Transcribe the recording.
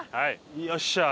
よっしゃー。